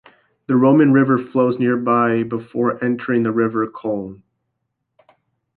The "Roman River" flows nearby before entering the River Colne.